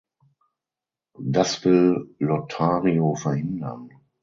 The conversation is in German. Das will Lottario verhindern.